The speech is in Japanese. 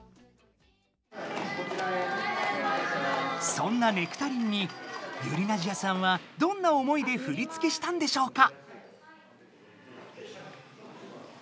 そんな「ネクタリン」にｙｕｒｉｎａｓｉａさんはどんな思いで振り付けしたんでしょうか？